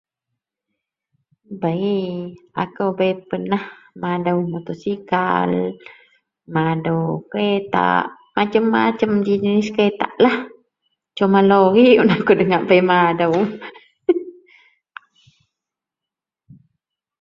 bei, akou bei pernah madou motosikal, madou kereta macam-macam ji jenis keretalah, cuma lori un akou da ngak bei madou heh